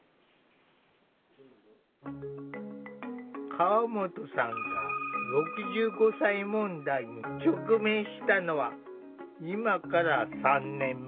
河本さんが「６５歳問題」に直面したのは今から３年前。